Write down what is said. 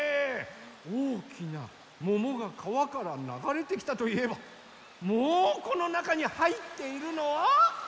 おおきなももがかわからながれてきたといえばもうこのなかにはいっているのは。